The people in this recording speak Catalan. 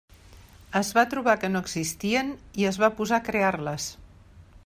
Es va trobar que no existien i es va posar a crear-les.